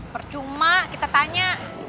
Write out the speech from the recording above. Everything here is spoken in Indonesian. percuma kita tanya